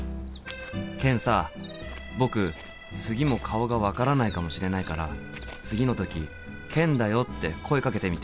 ケンさ僕次も顔が分からないかもしれないから次の時「ケンだよ」って声かけてみて。